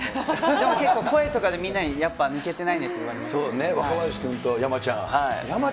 でも結構、声とかでやっぱ抜けてそうね、若林君と山ちゃん。